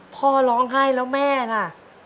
พ่อร้องไห้แล้วแม่น่ะ